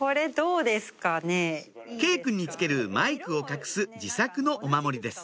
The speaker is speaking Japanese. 佳依くんに着けるマイクを隠す自作のお守りです